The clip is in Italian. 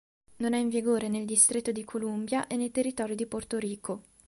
Non è in vigore nel Distretto di Columbia e nel territorio di Porto Rico.